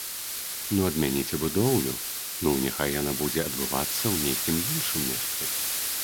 Ну адмяніце будоўлю, ну няхай яна будзе адбывацца ў нейкім іншым месцы.